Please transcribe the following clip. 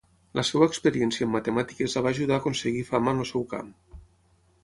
La seva experiència en matemàtiques la va ajudar a aconseguir fama en el seu camp.